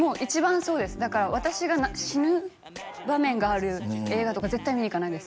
そうですだから私が死ぬ場面がある映画とか絶対見に行かないです